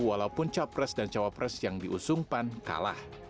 walaupun capres dan cawapres yang diusung pan kalah